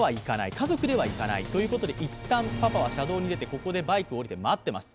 家族ではいかないということでいったん、パパはここでバイクを降りて待ってます。